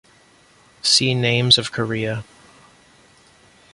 See Names of Korea.